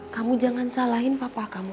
kamu jangan salahin papa kamu